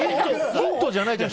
ヒントじゃないじゃん。